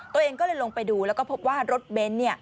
ตัวเองก็เลยลงไปดูแล้วก็พบว่ารถเบนท์